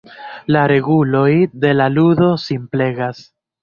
La reguloj de la ludo simplegas.